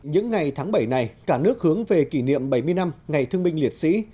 những ngày tháng bảy này cả nước hướng về kỷ niệm bảy mươi năm ngày thương binh liệt sĩ